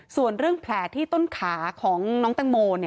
ส่วนเรื่องแผลที่ต้นขาของน้องแตงโม